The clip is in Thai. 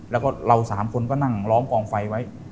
แล้วเราสามคนก็นั่งล้อมกองไฟ